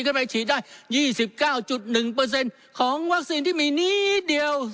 ก็ได้ฉีดได้ยี่สิบเก้าจุดหนึ่งเปอร์เซ็นต์ของวัคซีนที่มีนิดเดียว